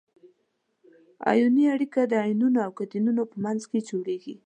ایوني اړیکه د انیونونو او کتیونونو په منځ کې جوړیږي.